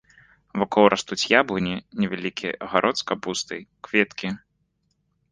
Вакол растуць яблыні, невялікі агарод з капустай, кветкі.